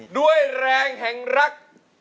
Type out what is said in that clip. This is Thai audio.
ด้วยแรงแห่งรัก